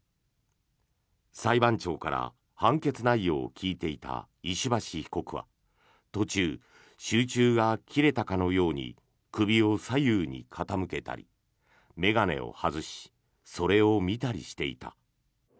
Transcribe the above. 裁判長から判決内容を聞いていた石橋被告は途中、集中が切れたかのように首を左右に傾けたり眼鏡を外しそれを見たりしていた。